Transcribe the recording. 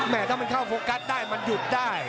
ถ้ามันเข้าโฟกัสได้มันหยุดได้